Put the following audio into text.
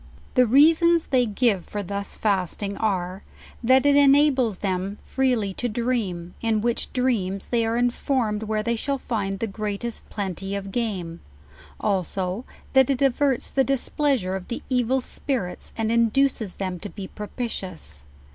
The reasons they give for thus fasting, are, that it enables them freely to dream, in which dreams they are informed where they shall find the greatest plenty of game; also, that it averts the displeasure of the evil spirits, and induces them to be propitious.